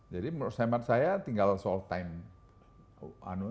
jadi menurut saya tinggal soal time